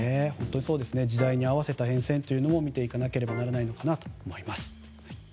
時代に合わせた変遷も見ていかなきゃいけないと思います。